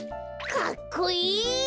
かっこいい！